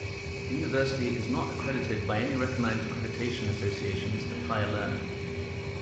The university is not accredited by any recognized accreditation associations of higher learning.